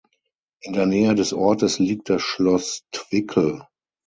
In der Nähe des Ortes liegt das Schloss Twickel.